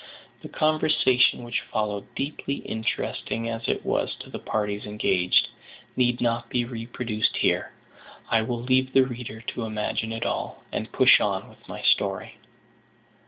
The conversation which followed, deeply interesting as it was to the parties engaged, need not be reproduced here: I will leave the reader to imagine it all, and push on with my story.